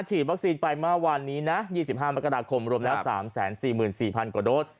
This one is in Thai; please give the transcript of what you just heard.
ฉีดวัคซีนไปเมื่อวานนี้นะ๒๕มกราคมรวมแล้ว๓๔๔๐๐กว่าโดส